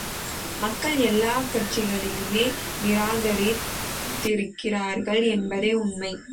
மக்கள் எல்லாக்கட்சிகளையுமே நிராகரித் திருக்கிறார்கள் என்பதே உண்மை.